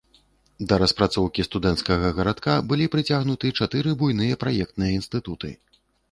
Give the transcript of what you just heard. Да распрацоўкі студэнцкага гарадка былі прыцягнуты чатыры буйныя праектныя інстытуты.